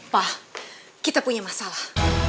pa kita punya masalah